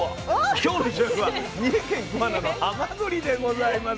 今日の主役は三重県桑名の「はまぐり」でございます。